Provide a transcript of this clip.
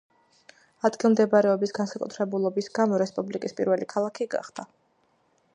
ადგილმდებარეობის განსაკუთრებულობის გამო რესპუბლიკის პირველი ქალაქი გახდა.